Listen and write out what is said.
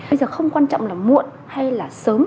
bây giờ không quan trọng là muộn hay là sớm